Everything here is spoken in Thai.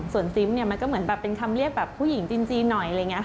ส่วนซิมมันก็เหมือนเป็นคำเรียกผู้หญิงจีนหน่อย